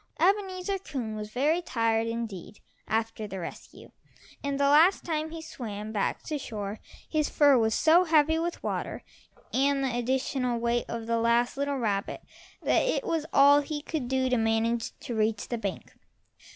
Ebenezer Coon was very tired indeed after the rescue, and the last time he swam back to shore his fur was so heavy with water and the additional weight of the last little rabbit that it was all he could do to manage to reach the bank.